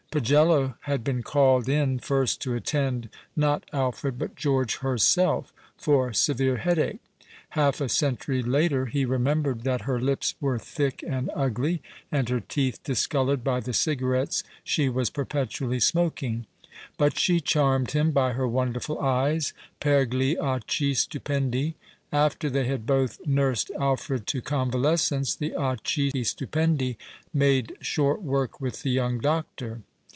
Pagcllo had been called in first to attend not Alfred, but George herself, for severe headache. Half a century later he remem bered that her lips were thick and ugly, and her teeth discoloured by the cigarettes she was perpetually smoking ; but she charmed him by her wonderfid eyes : per gli occhi stupendi. After they had both nursed Alfred to convalescence the occhi stupendi made short work with the young doctor.